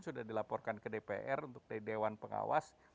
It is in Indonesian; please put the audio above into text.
sudah dilaporkan ke dpr untuk dari dewan pengawas